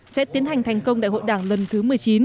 sẽ tiến hành thành công đại hội đảng lần thứ một mươi chín